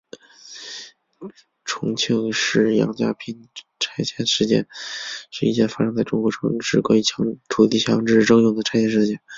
重庆杨家坪拆迁事件是一件发生在中国重庆市关于土地强制征用的拆迁事件。